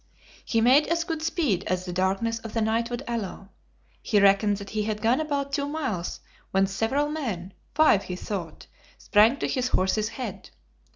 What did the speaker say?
He made as good speed as the darkness of the night would allow. He reckoned that he had gone about two miles when several men five, he thought sprang to his horse's head.